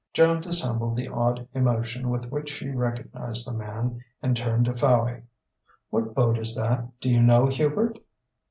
Joan dissembled the odd emotion with which she recognized the man, and turned to Fowey. "What boat is that, do you know, Hubert?"